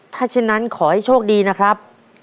ถ้าเช่นนั้นขอให้โชคดีนะครับ